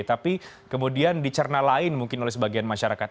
tapi kemudian dicerna lain mungkin oleh sebagian masyarakat